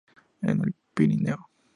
En el Pirineo.